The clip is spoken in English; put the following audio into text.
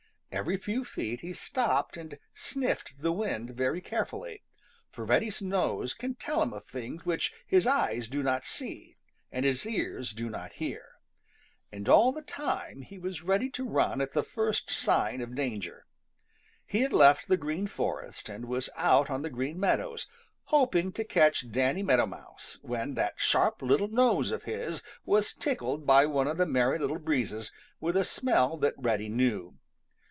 Every few feet he stopped and sniffed the wind very carefully, for Reddy's nose can tell him of things which his eyes do not see and his ears do not hear. And all the time he was ready to run at the first sign of danger. He had left the Green Forest and was out on the Green Meadows, hoping to catch Danny Meadow Mouse, when that sharp little nose of his was tickled by one of the Merry Little Breezes with a smell that Reddy knew.